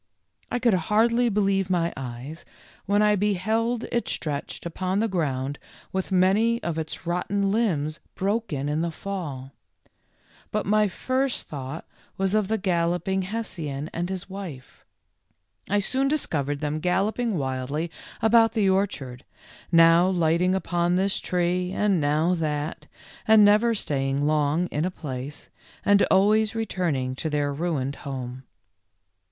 I could hardly believe my eyes when I be held it stretched upon the ground with many of its rotten limbs broken in the fall ; but my first thought was of the Galloping Hessian and his wife. I soon discovered them galloping wildly about the orchard, now lighting upon this tree and now that, and never staying long in a place, and always returning to their ruined home.